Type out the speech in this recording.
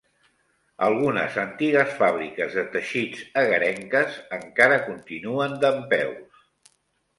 Algunes antigues fàbriques de teixits egarenques encara continuen dempeus.